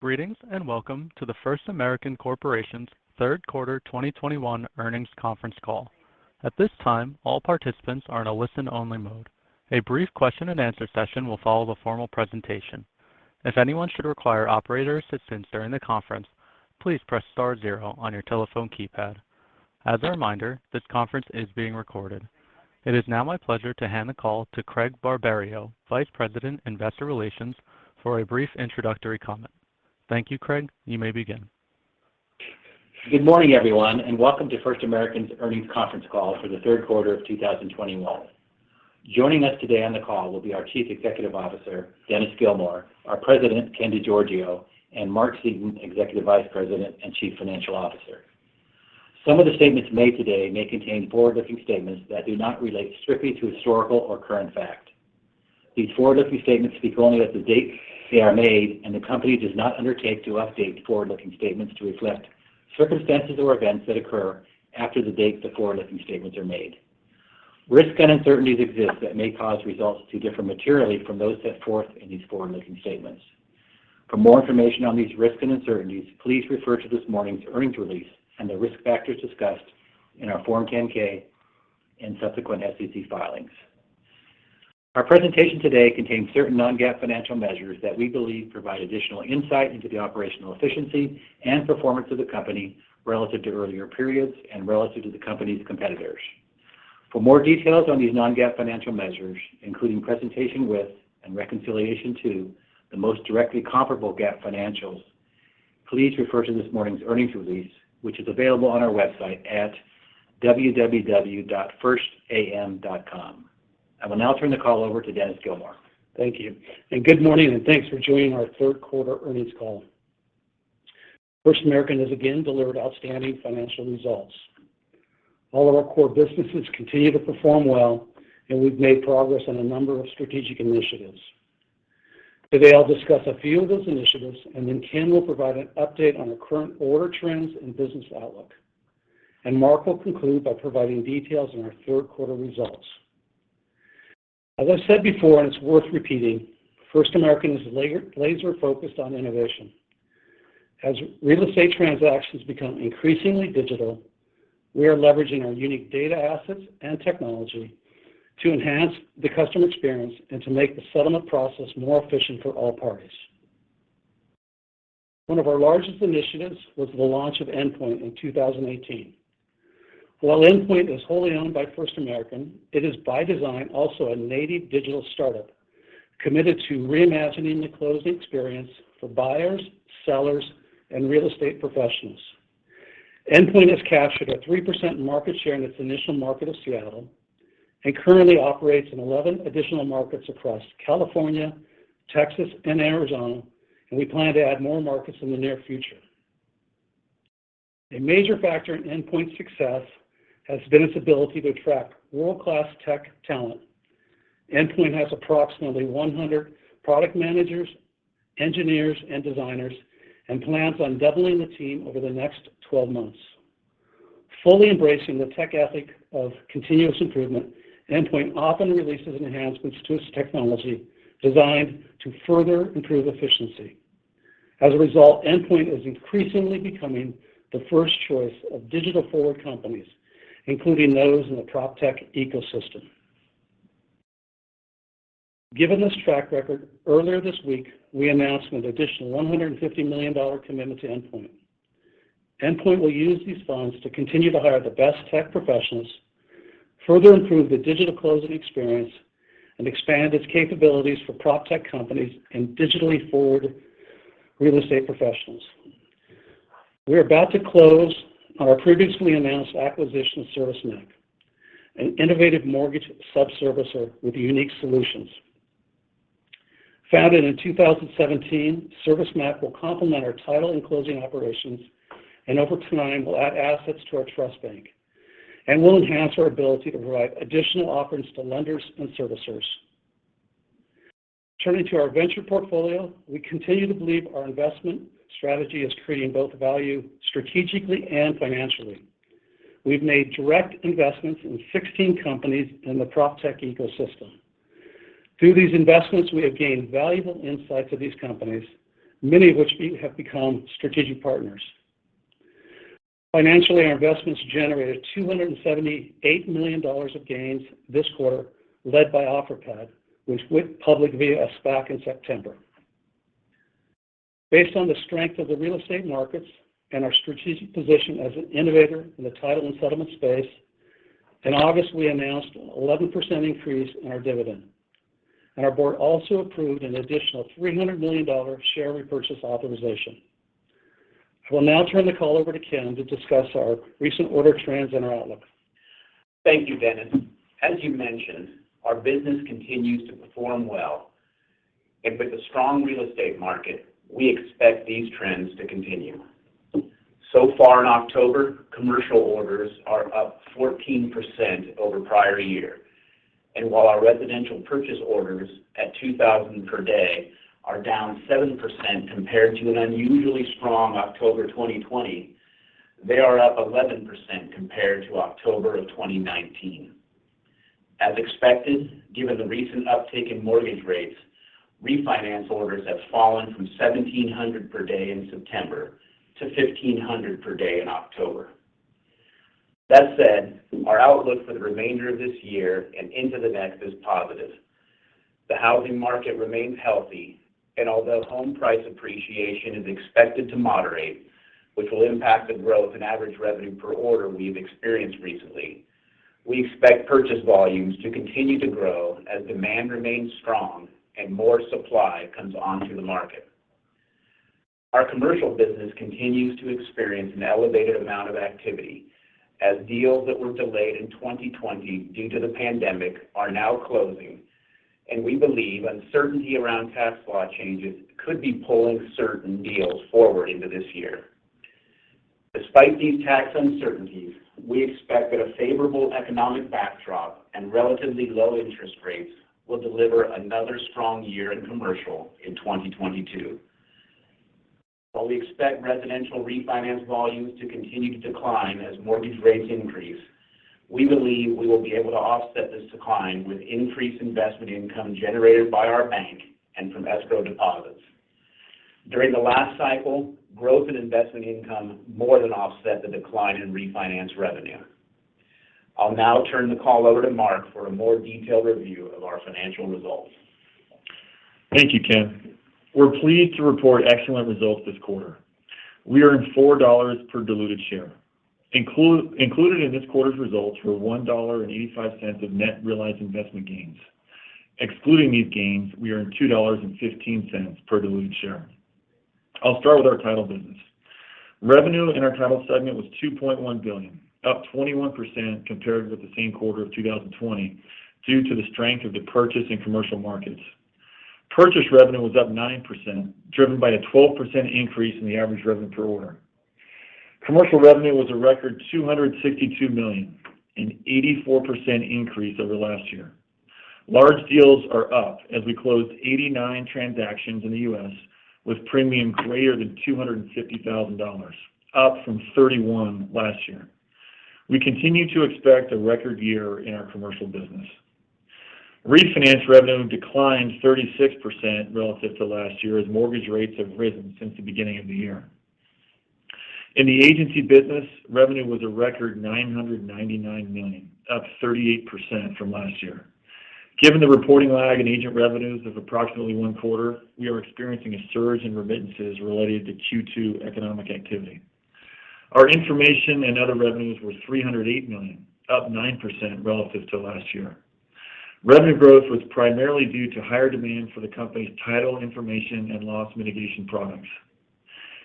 Greetings, welcome to the First American Corporation's third quarter 2021 earnings conference call. At this time, all participants are in a listen-only mode. A brief question and answer session will follow the formal presentation. If anyone should require operator assistance during the conference, please press star zero on your telephone keypad. As a reminder, this conference is being recorded. It is now my pleasure to hand the call to Craig Barberio, Vice President, Investor Relations, for a brief introductory comment. Thank you, Craig. You may begin. Good morning, everyone, and welcome to First American's earnings conference call for the third quarter of 2021. Joining us today on the call will be our Chief Executive Officer, Dennis Gilmore, our President, Ken DeGiorgio, and Mark Seaton, Executive Vice President and Chief Financial Officer. Some of the statements made today may contain forward-looking statements that do not relate strictly to historical or current fact. These forward-looking statements speak only as of the date they are made, and the company does not undertake to update forward-looking statements to reflect circumstances or events that occur after the date the forward-looking statements are made. Risks and uncertainties exist that may cause results to differ materially from those set forth in these forward-looking statements. For more information on these risks and uncertainties, please refer to this morning's earnings release and the risk factors discussed in our Form 10-K and subsequent SEC filings. Our presentation today contains certain non-GAAP financial measures that we believe provide additional insight into the operational efficiency and performance of the company relative to earlier periods and relative to the company's competitors. For more details on these non-GAAP financial measures, including presentation with and reconciliation to the most directly comparable GAAP financials, please refer to this morning's earnings release, which is available on our website at www.firstam.com. I will now turn the call over to Dennis Gilmore. Thank you. Good morning, and thanks for joining our third quarter earnings call. First American has again delivered outstanding financial results. All of our core businesses continue to perform well, and we've made progress on a number of strategic initiatives. Today, I'll discuss a few of those initiatives, Ken will provide an update on the current order trends and business outlook. Mark will conclude by providing details on our third quarter results. As I've said before, and it's worth repeating, First American is laser-focused on innovation. As real estate transactions become increasingly digital, we are leveraging our unique data assets and technology to enhance the customer experience and to make the settlement process more efficient for all parties. One of our largest initiatives was the launch of Endpoint in 2018. While Endpoint is wholly owned by First American, it is by design also a native digital startup committed to reimagining the closing experience for buyers, sellers, and real estate professionals. Endpoint has captured a 3% market share in its initial market of Seattle and currently operates in 11 additional markets across California, Texas, and Arizona, and we plan to add more markets in the near future. A major factor in Endpoint's success has been its ability to attract world-class tech talent. Endpoint has approximately 100 product managers, engineers, and designers, and plans on doubling the team over the next 12 months. Fully embracing the tech ethic of continuous improvement, Endpoint often releases enhancements to its technology designed to further improve efficiency. As a result, Endpoint is increasingly becoming the first choice of digital-forward companies, including those in the PropTech ecosystem. Given this track record, earlier this week, we announced an additional $150 million commitment to Endpoint. Endpoint will use these funds to continue to hire the best tech professionals, further improve the digital closing experience, and expand its capabilities for PropTech companies and digitally forward real estate professionals. We are about to close on our previously announced acquisition of ServiceMac, an innovative mortgage sub-servicer with unique solutions. Founded in 2017, ServiceMac will complement our title and closing operations, in over time will add assets to our trust bank, and will enhance our ability to provide additional offerings to lenders and servicers. Turning to our venture portfolio, we continue to believe our investment strategy is creating both value strategically and financially. We've made direct investments in 16 companies in the PropTech ecosystem. Through these investments, we have gained valuable insights of these companies, many of which we have become strategic partners. Financially, our investments generated $278 million of gains this quarter, led by Offerpad, which went public via a SPAC in September. Based on the strength of the real estate markets and our strategic position as an innovator in the title and settlement space, in August, we announced an 11% increase in our dividend. Our board also approved an additional $300 million share repurchase authorization. I will now turn the call over to Ken to discuss our recent order trends and our outlook. Thank you, Dennis. As you mentioned, our business continues to perform well. With a strong real estate market, we expect these trends to continue. Far in October, commercial orders are up 14% over prior year. While our residential purchase orders at 2,000 per day are down 7% compared to an unusually strong October 2020, they are up 11% compared to October of 2019. As expected, given the recent uptick in mortgage rates, refinance orders have fallen from 1,700 per day in September to 1,500 per day in October. Our outlook for the remainder of this year and into the next is positive. The housing market remains healthy, and although home price appreciation is expected to moderate, which will impact the growth in average revenue per order we've experienced recently, we expect purchase volumes to continue to grow as demand remains strong and more supply comes onto the market. Our commercial business continues to experience an elevated amount of activity as deals that were delayed in 2020 due to the pandemic are now closing, and we believe uncertainty around tax law changes could be pulling certain deals forward into this year. Despite these tax uncertainties, we expect that a favorable economic backdrop and relatively low interest rates will deliver another strong year in commercial in 2022. While we expect residential refinance volumes to continue to decline as mortgage rates increase, we believe we will be able to offset this decline with increased investment income generated by our bank and from escrow deposits. During the last cycle, growth in investment income more than offset the decline in refinance revenue. I'll now turn the call over to Mark for a more detailed review of our financial results. Thank you, Ken. We're pleased to report excellent results this quarter. We earned $4 per diluted share. Included in this quarter's results were $1.85 of net realized investment gains. Excluding these gains, we earned $2.15 per diluted share. I'll start with our title business. Revenue in our title segment was $2.1 billion, up 21% compared with the same quarter of 2020 due to the strength of the purchase in commercial markets. Purchase revenue was up 9%, driven by a 12% increase in the average revenue per order. Commercial revenue was a record $262 million, an 84% increase over last year. Large deals are up as we closed 89 transactions in the U.S. with premium greater than $250,000, up from 31 last year. We continue to expect a record year in our commercial business. Refinance revenue declined 36% relative to last year as mortgage rates have risen since the beginning of the year. In the agency business, revenue was a record $999 million, up 38% from last year. Given the reporting lag in agent revenues of approximately one quarter, we are experiencing a surge in remittances related to Q2 economic activity. Our information and other revenues were $308 million, up 9% relative to last year. Revenue growth was primarily due to higher demand for the company's title information and loss mitigation products.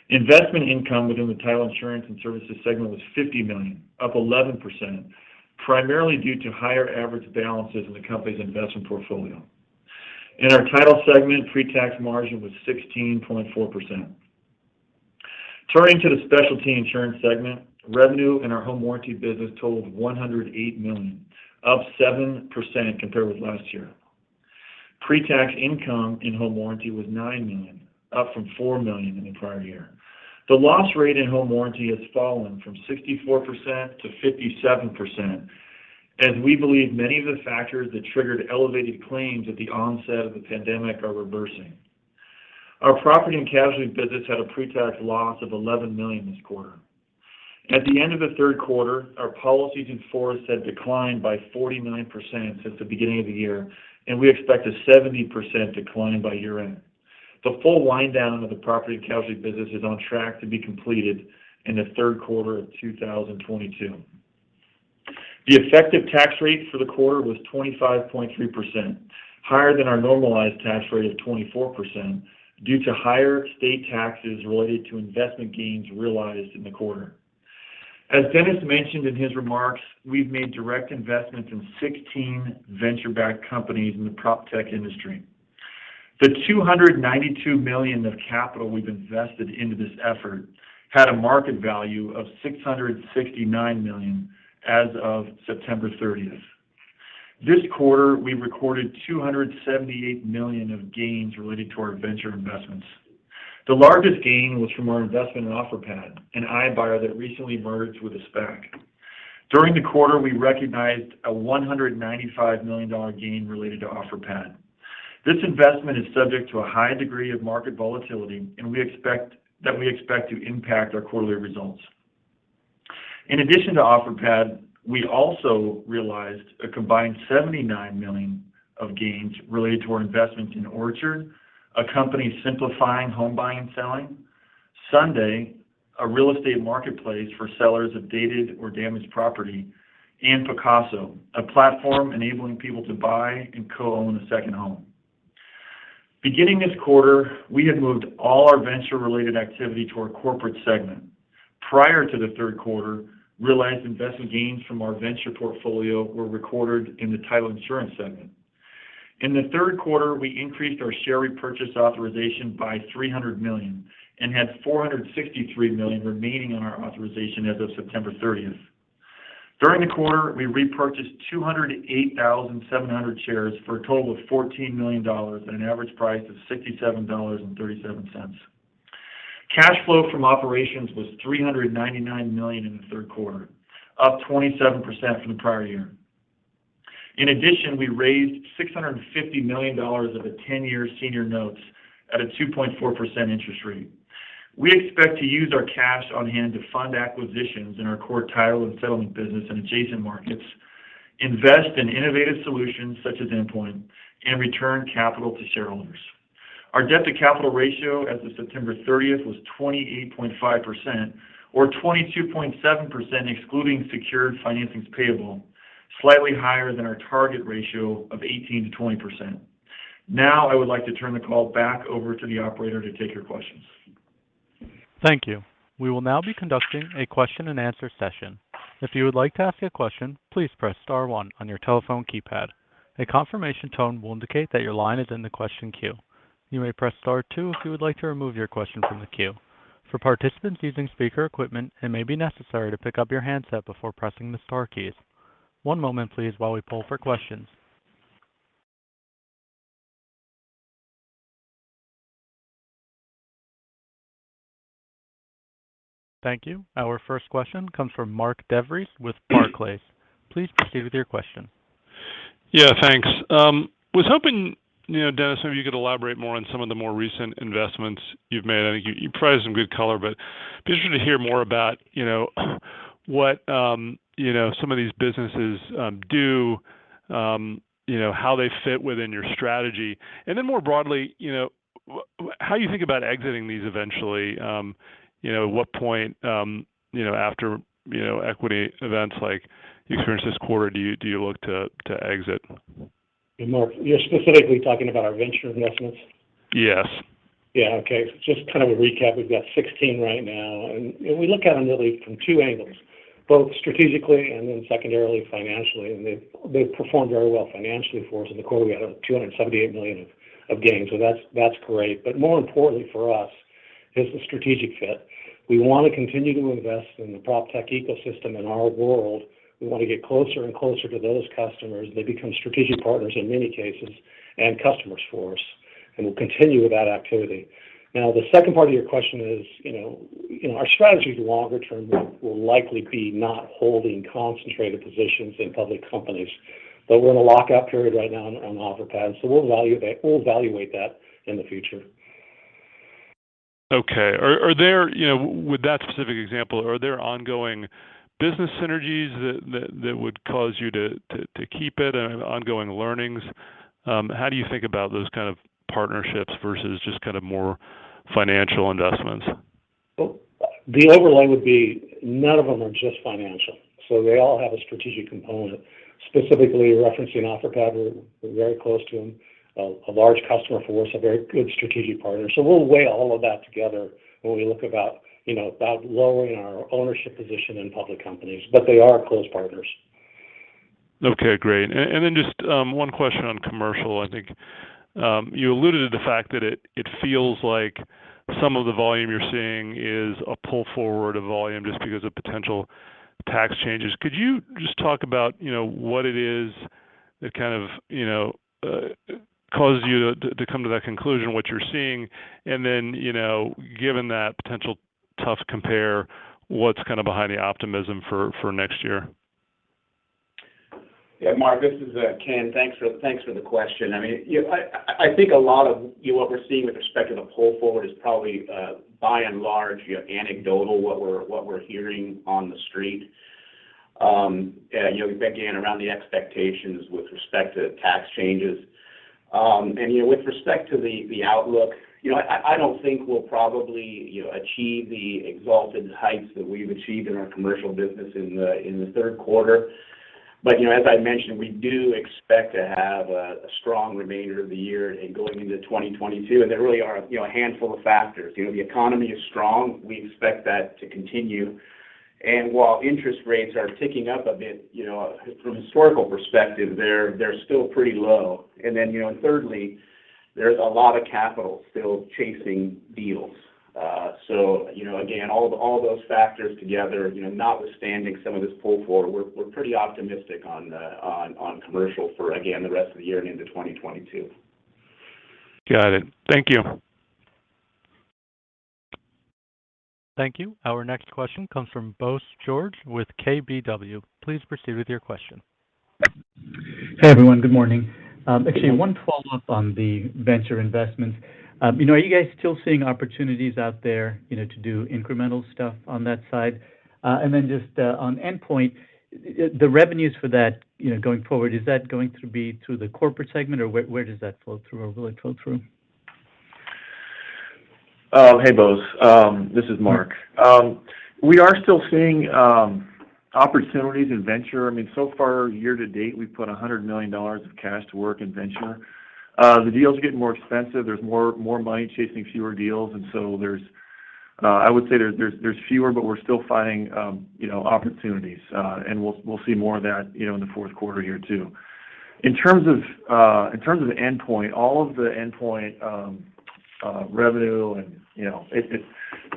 Investment income within the title insurance and services segment was $50 million, up 11%, primarily due to higher average balances in the company's investment portfolio. In our title segment, pre-tax margin was 16.4%. Turning to the specialty insurance segment, revenue in our home warranty business totaled $108 million, up 7% compared with last year. Pre-tax income in home warranty was $9 million, up from $4 million in the prior year. The loss rate in home warranty has fallen from 64%-57%, as we believe many of the factors that triggered elevated claims at the onset of the pandemic are reversing. Our property and casualty business had a pre-tax loss of $11 million this quarter. At the end of the third quarter, our policies in force had declined by 49% since the beginning of the year, and we expect a 70% decline by year-end. The full wind down of the property and casualty business is on track to be completed in the third quarter of 2022. The effective tax rate for the quarter was 25.3%, higher than our normalized tax rate of 24%, due to higher state taxes related to investment gains realized in the quarter. As Dennis mentioned in his remarks, we've made direct investments in 16 venture-backed companies in the PropTech industry. The $292 million of capital we've invested into this effort had a market value of $669 million as of September 30th. This quarter, we recorded $278 million of gains related to our venture investments. The largest gain was from our investment in Offerpad, an iBuyer that recently merged with a SPAC. During the quarter, we recognized a $195 million gain related to Offerpad. This investment is subject to a high degree of market volatility, and that we expect to impact our quarterly results. In addition to Offerpad, we also realized a combined $79 million of gains related to our investment in Orchard, a company simplifying home buying and selling, Sundae, a real estate marketplace for sellers of dated or damaged property, and Pacaso, a platform enabling people to buy and co-own a second home. Beginning this quarter, we have moved all our venture-related activity to our corporate segment. Prior to the third quarter, realized investment gains from our venture portfolio were recorded in the title insurance segment. In the third quarter, we increased our share repurchase authorization by $300 million and had $463 million remaining on our authorization as of September 30th. During the quarter, we repurchased 208,700 shares for a total of $14 million at an average price of $67.37. Cash flow from operations was $399 million in the third quarter, up 27% from the prior year. We raised $650 million of a 10-year senior notes at a 2.4% interest rate. We expect to use our cash on hand to fund acquisitions in our core title and settlement business in adjacent markets, invest in innovative solutions such as Endpoint, and return capital to shareholders. Our debt-to-capital ratio as of September 30th was 28.5%, or 22.7% excluding secured financings payable, slightly higher than our target ratio of 18%-20%. I would like to turn the call back over to the operator to take your questions. Thank you. We will now be conducting a question and answer session. If you would like to ask a question, please press star one on your telephone keypad. A confirmation tone will indicate that your line is in the question queue. You may press star two if you would like to remove your question from the queue. For participants using speaker equipment, it may be necessary to pick up your handset before pressing the star keys. One moment please while we poll for questions. Thank you. Our first question comes from Mark DeVries with Barclays. Please proceed with your question. Yeah, thanks. Was hoping, Dennis, maybe you could elaborate more on some of the more recent investments you've made. I think you provided some good color, but be interesting to hear more about what some of these businesses do, how they fit within your strategy, and then more broadly, how you think about exiting these eventually. At what point after equity events like you experienced this quarter do you look to exit? Mark, you're specifically talking about our venture investments? Yes. Yeah. Okay. Just a recap, we've got 16 right now, and we look at them really from two angles, both strategically and then secondarily financially. And they've performed very well financially for us. In the quarter, we had $278 million of gain. That's great. More importantly for us is the strategic fit. We want to continue to invest in the PropTech ecosystem in our world. We want to get closer and closer to those customers. They become strategic partners in many cases and customers for us, and we'll continue with that activity. The second part of your question is, our strategy longer term will likely be not holding concentrated positions in public companies, but we're in a lockout period right now on Offerpad, so we'll evaluate that in the future. Okay. With that specific example, are there ongoing business synergies that would cause you to keep it and ongoing learnings? How do you think about those kind of partnerships versus just more financial investments? The overlay would be none of them are just financial. They all have a strategic component, specifically referencing Offerpad. We're very close to them. A large customer for us, a very good strategic partner. We'll weigh all of that together when we look about lowering our ownership position in public companies. They are close partners. Okay, great. Just one question on commercial. I think you alluded to the fact that it feels like some of the volume you're seeing is a pull forward of volume just because of potential tax changes. Could you just talk about what it is that caused you to come to that conclusion, what you're seeing, and then given that potential tough compare, what's behind the optimism for next year? Yeah, Mark, this is Ken. Thanks for the question. I think a lot of what we're seeing with respect to the pull forward is probably by and large anecdotal, what we're hearing on the street. Around the expectations with respect to tax changes. With respect to the outlook, I don't think we'll probably achieve the exalted heights that we've achieved in our commercial business in the third quarter. As I mentioned, we do expect to have a strong remainder of the year and going into 2022, and there really are a handful of factors. The economy is strong. We expect that to continue. While interest rates are ticking up a bit, from a historical perspective, they're still pretty low. Thirdly, there's a lot of capital still chasing deals. Again, all those factors together, notwithstanding some of this pull forward, we're pretty optimistic on commercial for, again, the rest of the year and into 2022. Got it. Thank you. Thank you. Our next question comes from Bose George with KBW. Please proceed with your question. Hey, everyone. Good morning. Actually, one follow-up on the venture investments. Are you guys still seeing opportunities out there to do incremental stuff on that side? Then just on Endpoint, the revenues for that going forward, is that going to be through the corporate segment or where does that flow through, or will it flow through? Hey, Bose. This is Mark. We are still seeing opportunities in venture. So far, year to date, we've put $100 million of cash to work in venture. The deals are getting more expensive. There's more money chasing fewer deals. I would say there's fewer, but we're still finding opportunities. We'll see more of that in the fourth quarter here, too. In terms of Endpoint, all of the Endpoint revenue and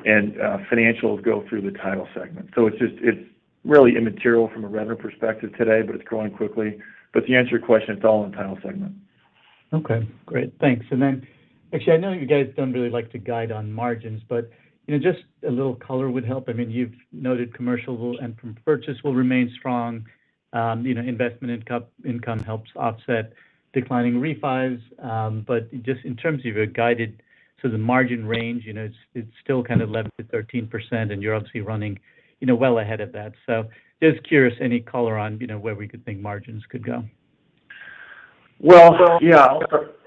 financials go through the title segment. It's really immaterial from a revenue perspective today, but it's growing quickly. To answer your question, it's all in title segment. Okay, great. Thanks. Actually, I know you guys don't really like to guide on margins, but just a little color would help. You've noted commercial and from purchase will remain strong. Investment income helps offset declining refis. Just in terms of your guided to the margin range, it's still kind of 11%-13%, and you're obviously running well ahead of that. Just curious, any color on where we could think margins could go? Well, yeah.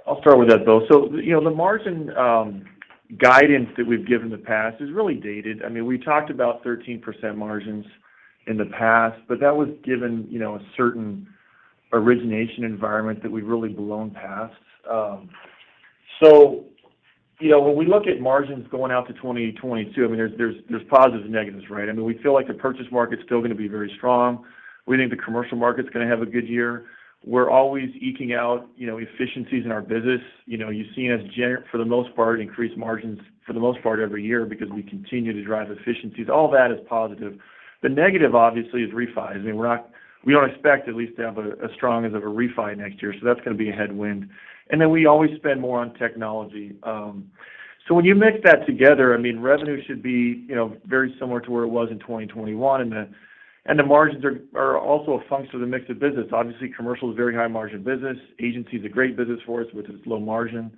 I'll start with that, Bose. The margin guidance that we've given in the past is really dated. We talked about 13% margins in the past, but that was given a certain origination environment that we've really blown past. When we look at margins going out to 2022, there's positives and negatives, right? We feel like the purchase market's still going to be very strong. We think the commercial market's going to have a good year. We're always eking out efficiencies in our business. You've seen us, for the most part, increase margins for the most part every year because we continue to drive efficiencies. All that is positive. The negative, obviously, is refi. We don't expect at least to have as strong as of a refi next year. That's going to be a headwind. We always spend more on technology. When you mix that together, revenue should be very similar to where it was in 2021, and the margins are also a function of the mix of business. Obviously, commercial is a very high-margin business. Agency's a great business for us, which is low margin.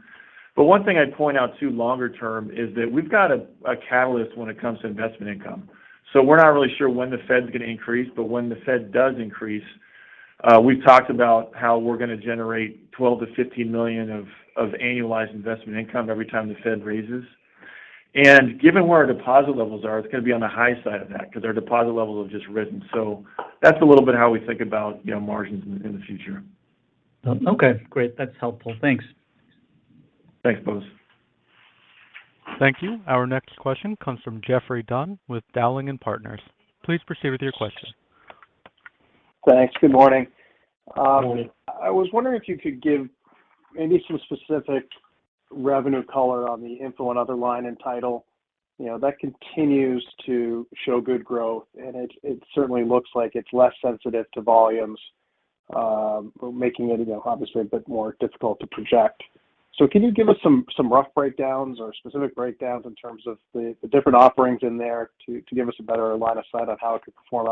One thing I'd point out, too, longer term, is that we've got a catalyst when it comes to investment income. We're not really sure when the Fed's going to increase, but when the Fed does increase, we've talked about how we're going to generate $12 million-$15 million of annualized investment income every time the Fed raises. Given where our deposit levels are, it's going to be on the high side of that because our deposit levels have just risen. That's a little bit how we think about margins in the future. Okay, great. That's helpful. Thanks. Thanks, Bose. Thank you. Our next question comes from Geoffrey Dunn with Dowling & Partners. Please proceed with your question. Thanks. Good morning. Morning. I was wondering if you could give maybe some specific revenue color on the info and other line in title. That continues to show good growth, and it certainly looks like it's less sensitive to volumes, making it obviously a bit more difficult to project. Can you give us some rough breakdowns or specific breakdowns in terms of the different offerings in there to give us a better line of sight on how it could perform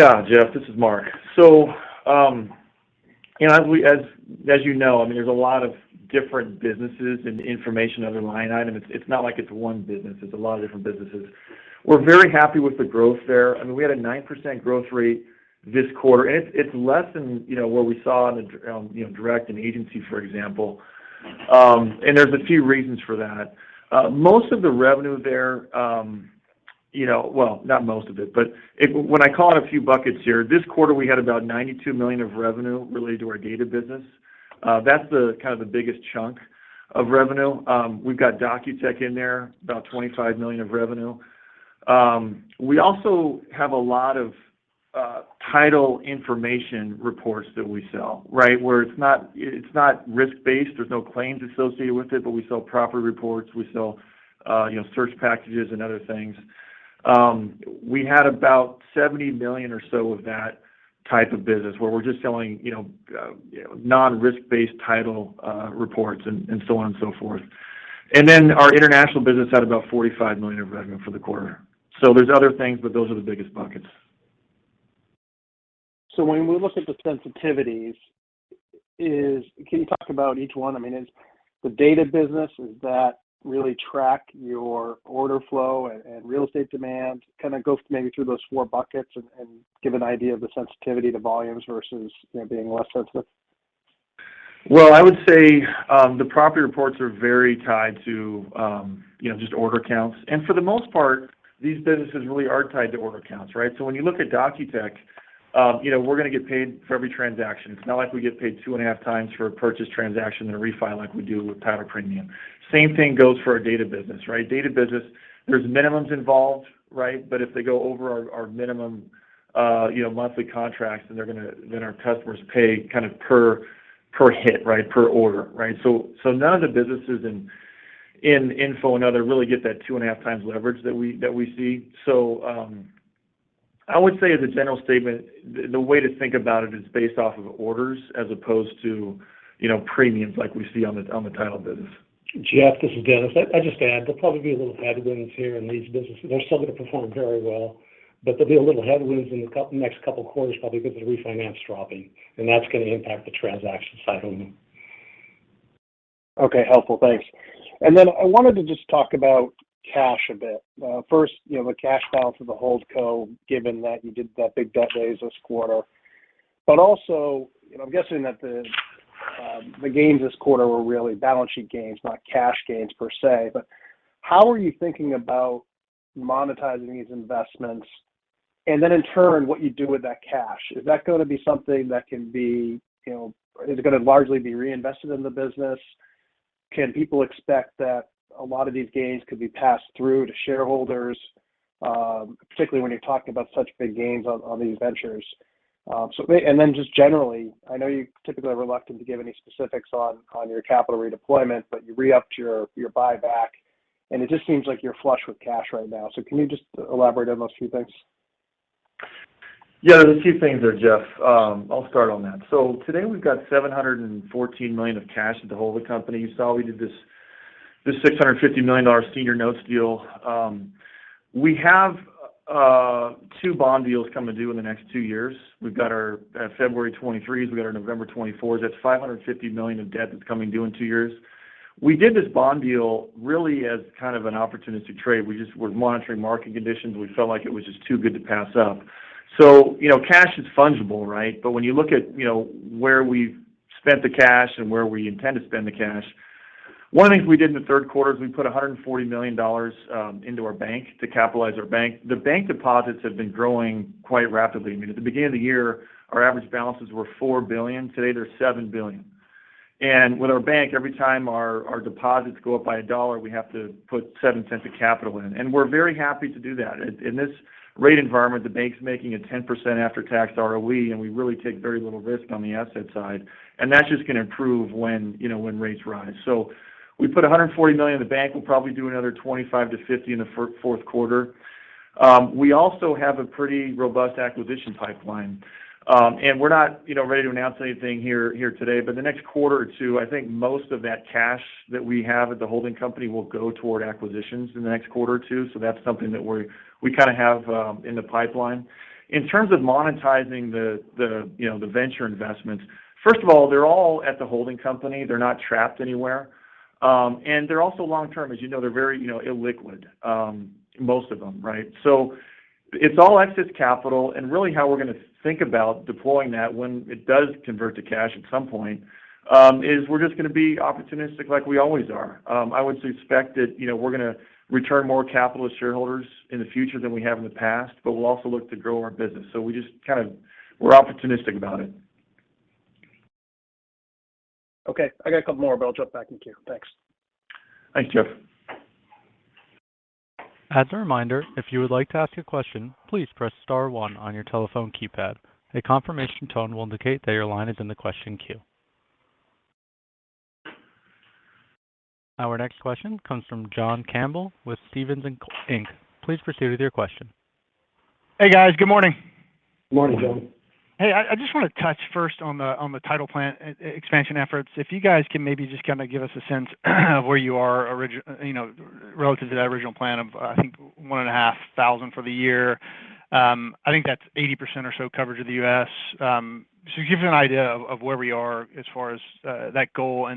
out in 2022, 2023? Geoff, this is Mark. As you know, there's a lot of different businesses in the information and other line item. It's not like it's one business. It's a lot of different businesses. We're very happy with the growth there. We had a 9% growth rate this quarter, it's less than what we saw in direct and agency, for example. There's a few reasons for that. Most of the revenue there, well, not most of it, but when I call out a few buckets here, this quarter, we had about $92 million of revenue related to our data business. That's kind of the biggest chunk of revenue. We've got Docutech in there, about $25 million of revenue. We also have a lot of title information reports that we sell, where it's not risk-based. There's no claims associated with it, we sell property reports. We sell search packages and other things. We had about $70 million or so of that type of business, where we're just selling non-risk-based title reports and so on and so forth. Our international business had about $45 million of revenue for the quarter. There's other things, but those are the biggest buckets. When we look at the sensitivities, can you talk about each one? The data business, does that really track your order flow and real estate demand? Kind of go maybe through those four buckets and give an idea of the sensitivity to volumes versus being less sensitive. Well, I would say the property reports are very tied to just order counts. For the most part, these businesses really are tied to order counts. When you look at Docutech, we're going to get paid for every transaction. It's not like we get paid two and a half times for a purchase transaction and a refi like we do with title premium. Same thing goes for our data business. Data business, there's minimums involved. If they go over our minimum monthly contracts, our customers pay kind of per hit, per order. None of the businesses in info and other really get that two and a half times leverage that we see. I would say as a general statement, the way to think about it is based off of orders as opposed to premiums like we see on the title business. Geoff, this is Dennis. I just add, there'll probably be a little headwinds here in these businesses. They're still going to perform very well. There'll be a little headwinds in the next two quarters probably because of the refinance dropping. That's going to impact the transaction side of them. Okay. Helpful. Thanks. Then I wanted to just talk about cash a bit. First, the cash balance of the holdco, given that you did that big debt raise this quarter. Also, I'm guessing that the gains this quarter were really balance sheet gains, not cash gains per se. How are you thinking about monetizing these investments, then in turn, what you do with that cash? Is that going to be something that is going to largely be reinvested in the business? Can people expect that a lot of these gains could be passed through to shareholders, particularly when you're talking about such big gains on these ventures? Then just generally, I know you typically are reluctant to give any specifics on your capital redeployment, but you re-upped your buyback, and it just seems like you're flush with cash right now. Can you just elaborate on those few things? Yeah. There's a few things there, Geoff. I'll start on that. Today we've got $714 million of cash at the holding company. You saw we did this $650 million senior notes deal. We have two bond deals coming due in the next two years. We've got our February 2023s, we've got our November 2024s. That's $550 million of debt that's coming due in two years. We did this bond deal really as kind of an opportunity trade. We just were monitoring market conditions. We felt like it was just too good to pass up. Cash is fungible, right? When you look at where we've spent the cash and where we intend to spend the cash, one of the things we did in the third quarter is we put $140 million into our bank to capitalize our bank. The bank deposits have been growing quite rapidly. At the beginning of the year, our average balances were $4 billion. Today, they're $7 billion. With our bank, every time our deposits go up by a dollar, we have to put $0.07 of capital in. We're very happy to do that. In this rate environment, the bank's making a 10% after-tax ROE, and we really take very little risk on the asset side, and that's just going to improve when rates rise. We put $140 million in the bank. We'll probably do another $25-$50 in the fourth quarter. We also have a pretty robust acquisition pipeline. We're not ready to announce anything here today, but in the next quarter or two, I think most of that cash that we have at the holding company will go toward acquisitions in the next quarter or two. That's something that we kind of have in the pipeline. In terms of monetizing the venture investments, first of all, they're all at the holding company. They're not trapped anywhere. They're also long-term. As you know, they're very illiquid. Most of them, right? It's all excess capital, and really how we're going to think about deploying that when it does convert to cash at some point, is we're just going to be opportunistic like we always are. I would suspect that we're going to return more capital to shareholders in the future than we have in the past, but we'll also look to grow our business. We're opportunistic about it. Okay. I got a couple more, but I'll jump back in queue. Thanks. Thanks, Geoff. As a reminder, if you would like to ask a question, please press star one on your telephone keypad. A confirmation tone will indicate that your line is in the question queue. Our next question comes from John Campbell with Stephens Inc. Please proceed with your question. Hey, guys. Good morning. Morning, John. Hey. I just want to touch first on the title plant expansion efforts. You guys can maybe just kind of give us a sense of where you are relative to that original plan of, I think, 1,500 for the year. I think that's 80% or so coverage of the U.S. Just give me an idea of where we are as far as that goal. I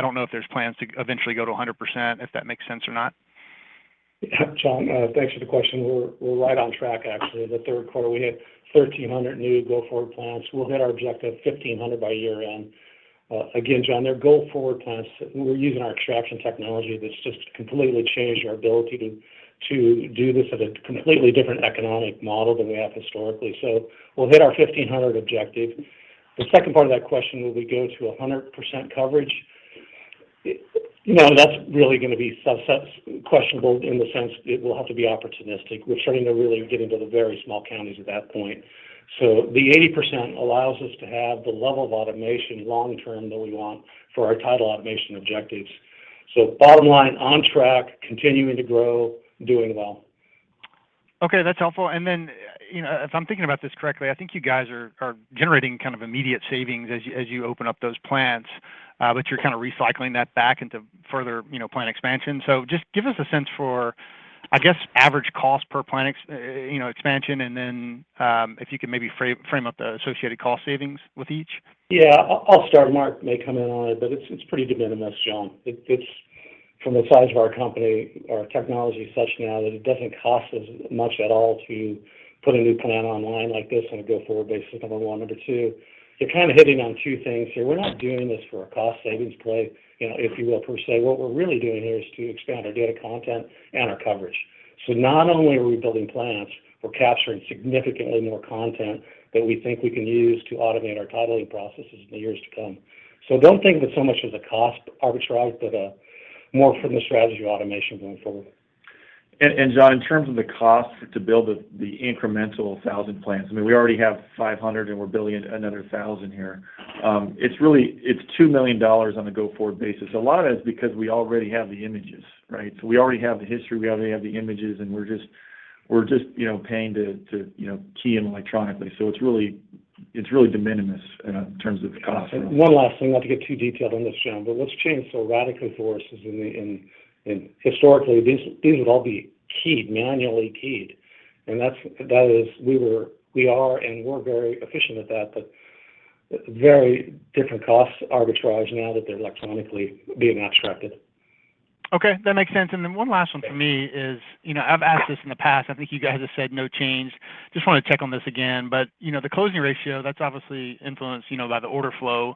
don't know if there's plans to eventually go to 100%, if that makes sense or not. Yeah, John, thanks for the question. We're right on track, actually. The third quarter, we hit 1,300 new go-forward plants. We'll hit our objective, 1,500, by year-end. Again, John, they're go-forward plants. We're using our extraction technology that's just completely changed our ability to do this at a completely different economic model than we have historically. We'll hit our 1,500 objective. The second part of that question, will we go to 100% coverage? That's really going to be questionable in the sense it will have to be opportunistic. We're starting to really get into the very small counties at that point. The 80% allows us to have the level of automation long-term that we want for our title automation objectives. Bottom line, on track, continuing to grow, doing well. Okay, that's helpful. If I'm thinking about this correctly, I think you guys are generating immediate savings as you open up those plants, but you're kind of recycling that back into further plant expansion. Just give us a sense for, I guess, average cost per plant expansion, and then if you could maybe frame up the associated cost savings with each. Yeah. I'll start. Mark may come in on it. It's pretty de minimis, John. From the size of our company, our technology is such now that it doesn't cost us much at all to put a new plant online like this on a go-forward basis, number one. Number two, you're kind of hitting on two things here. We're not doing this for a cost savings play, if you will, per se. What we're really doing here is to expand our data content and our coverage. Not only are we building plants, we're capturing significantly more content that we think we can use to automate our titling processes in the years to come. Don't think of it so much as a cost arbitrage, but more from the strategy of automation going forward. John, in terms of the cost to build the incremental 1,000 plants, we already have 500, and we're building another 1,000 here. It's $2 million on a go-forward basis. A lot of that is because we already have the images, right? We already have the history, we already have the images, and we're just paying to key in electronically. It's really de minimis in terms of the cost. One last thing. Not to get too detailed on this, John, but what's changed so radically for us is historically, these would all be keyed, manually keyed. We are, and were, very efficient at that, but very different cost arbitrage now that they're electronically being abstracted. Okay. That makes sense. One last one from me is, I've asked this in the past, I think you guys have said no change. Just want to check on this again. The closing ratio, that's obviously influenced by the order flow.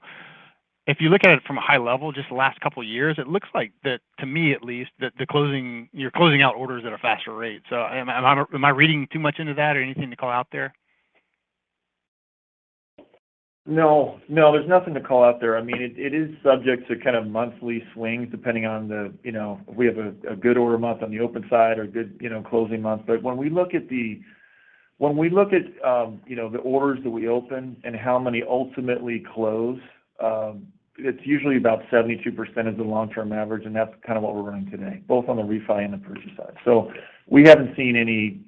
If you look at it from a high level, just the last couple of years, it looks like that, to me at least, that you're closing out orders at a faster rate. Am I reading too much into that or anything to call out there? No, there's nothing to call out there. It is subject to kind of monthly swings, depending on if we have a good order month on the open side or a good closing month. When we look at the orders that we open and how many ultimately close, it's usually about 72% is the long-term average, and that's kind of what we're running today, both on the refi and the purchase side. We haven't seen any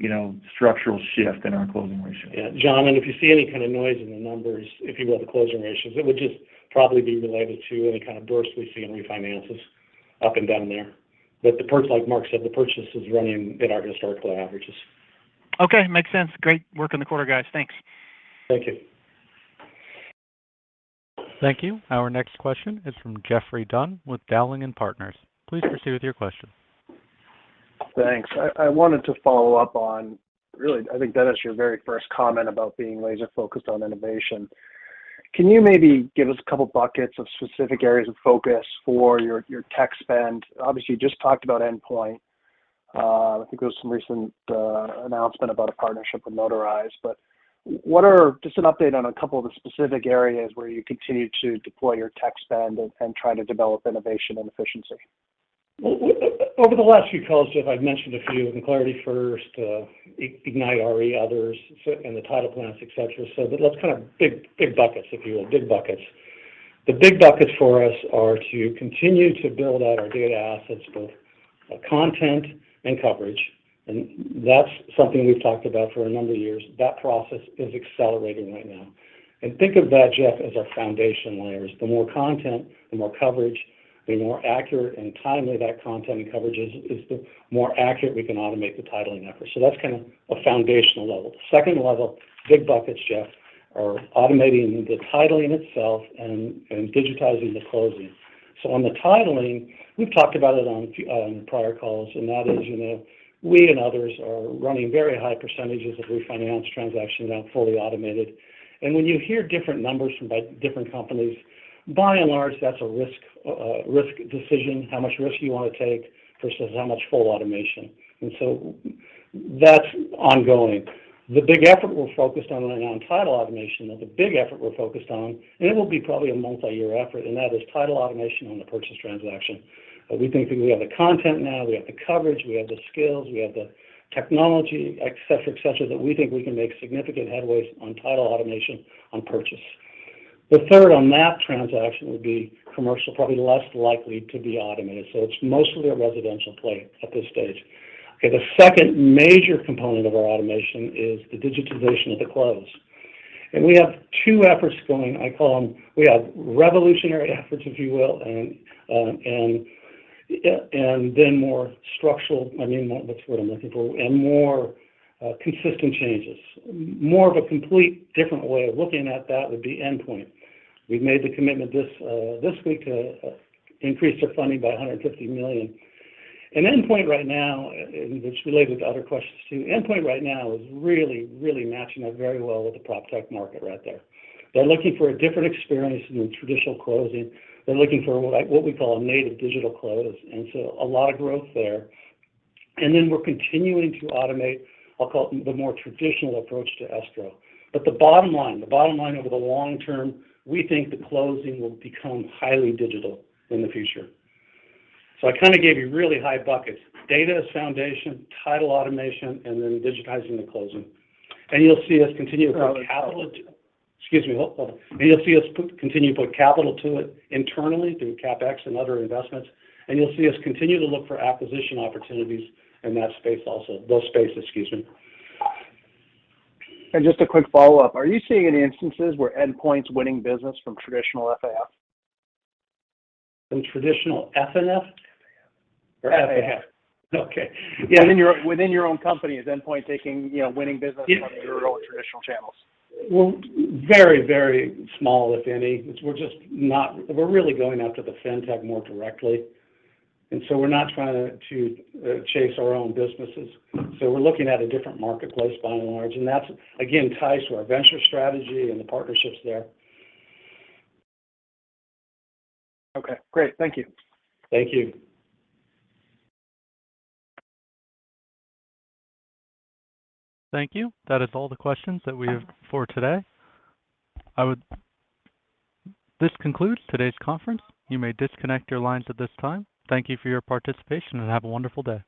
structural shift in our closing ratio. Yeah, John, if you see any kind of noise in the numbers, if you will, the closing ratios, it would just probably be related to any kind of bursts we see in refinances up and down there. Like Mark said, the purchase is running in our historical averages. Okay. Makes sense. Great work in the quarter, guys. Thanks. Thank you. Thank you. Our next question is from Geoffrey Dunn with Dowling & Partners. Please proceed with your question. Thanks. I wanted to follow up on, really, I think, Dennis, your very first comment about being laser-focused on innovation. Can you maybe give us a couple of buckets of specific areas of focus for your tech spend? Obviously, you just talked about Endpoint. I think there was some recent announcement about a partnership with Notarize. Just an update on a couple of the specific areas where you continue to deploy your tech spend and try to develop innovation and efficiency. Well, over the last few calls, Geoff, I've mentioned a few, ClarityFirst, IgniteRE, others, and the title plants, et cetera. Let's kind of big buckets, if you will. Big buckets. The big buckets for us are to continue to build out our data assets, both content and coverage. That's something we've talked about for a number of years. That process is accelerating right now. Think of that, Geoff, as our foundation layers. The more content, the more coverage, the more accurate and timely that content and coverage is, the more accurate we can automate the titling effort. That's kind of a foundational level. Second level big buckets, Geoff, are automating the titling itself and digitizing the closing. On the titling, we've talked about it on prior calls, and that is we and others are running very high percentages of refinance transactions now fully automated. When you hear different numbers from different companies, by and large, that's a risk decision, how much risk you want to take versus how much full automation. That's ongoing. The big effort we're focused on right now in title automation, and it will be probably a multi-year effort, and that is title automation on the purchase transaction. We think that we have the content now. We have the coverage. We have the skills. We have the technology, et cetera, that we think we can make significant headways on title automation on purchase. The third on that transaction would be commercial, probably less likely to be automated. It's mostly a residential play at this stage. The second major component of our automation is the digitization of the close. We have two efforts going. We have revolutionary efforts, if you will, then more structural. I mean, that's what I'm looking for. More consistent changes. More of a complete different way of looking at that would be Endpoint. We've made the commitment this week to increase their funding by $150 million. It's related to other questions, too. Endpoint right now is really matching up very well with the PropTech market right there. They're looking for a different experience than traditional closing. They're looking for what we call a native digital close, a lot of growth there. We're continuing to automate, I'll call it, the more traditional approach to escrow. The bottom line over the long term, we think that closing will become highly digital in the future. I kind of gave you really high buckets. Data as foundation, title automation, and then digitizing the closing. You'll see us continue to put capital to it internally through CapEx and other investments, and you'll see us continue to look for acquisition opportunities in those space. Excuse me. Just a quick follow-up. Are you seeing any instances where Endpoint's winning business from traditional FAF? From traditional FNF? FAF. FAF. Okay. Yeah. Within your own company. Is Endpoint winning business from your own traditional channels? Well, very small, if any. We're really going after the FinTech more directly, and so we're not trying to chase our own businesses. We're looking at a different marketplace by and large, and that's, again, ties to our venture strategy and the partnerships there. Okay, great. Thank you. Thank you. Thank you. That is all the questions that we have for today. This concludes today's conference. You may disconnect your lines at this time. Thank you for your participation, and have a wonderful day.